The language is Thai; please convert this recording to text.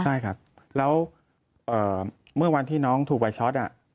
ใช่ครับแล้วเมื่อวันที่น้องถูกไฟช็อต